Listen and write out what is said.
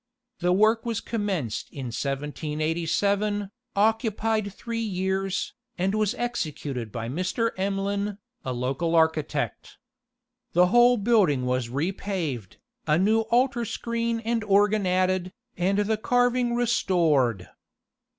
The work was commenced in 1787, occupied three years, and was executed by Mr. Emlyn, a local architect. The whole building was repaved, a new altar screen and organ added, and the carving restored.